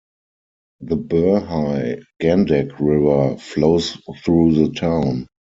The Burhi Gandak River flows through the town.